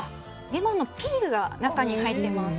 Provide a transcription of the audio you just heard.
レモンのピールが中に入ってます。